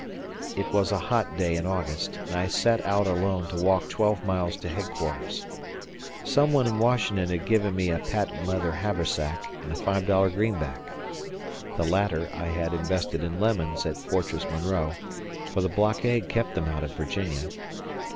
It was a hot day in August, and I set out alone to walk twelve miles to headquarters. Some one in Washington had given me a patent leatherhaversack and a five dollar greenback. The latter I had invested in lemons at Fortress Monroe, for the blockade kept them out of Virginia.